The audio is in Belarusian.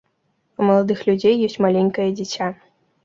У маладых людзей ёсць маленькае дзіця.